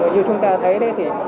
như chúng ta thấy đây